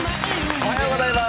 おはようございます。